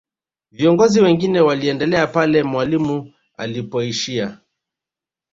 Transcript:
viongozi wengine waliendelea pale mwalimu alipoishia